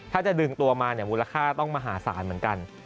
ถ้าจะดึงตัวมาเนี่ยมูลค่าต้องมหาศาลเหมือนกัน